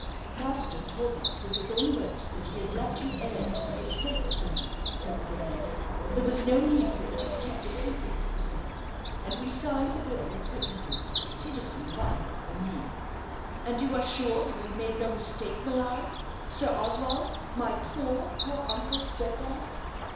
"Master told us with his own lips that he had left you heir to the estates, sir," said the valet. "There was no need for it to be kept a secret, he said; and we signed the will as witnesses Peterson, the butler, and me." "And you are sure you have made no mistake, Millard. Sir Oswald my poor, poor uncle, said that?"